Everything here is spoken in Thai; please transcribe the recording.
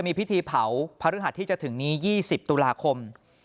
มีพิธีเผาพระฤหัสที่จะถึงนี้๒๐ตุลาคม